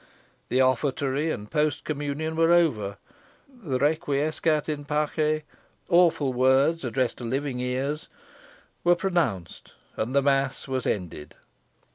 The offertory and post communion were over; the "requiescant in pace" awful words addressed to living ears were pronounced; and the mass was ended.